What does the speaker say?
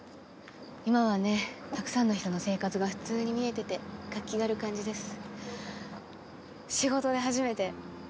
今はね、たくさんの人の生活が普通に見えてて、活気がある感じです。